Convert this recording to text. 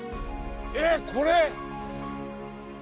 ええ、これ？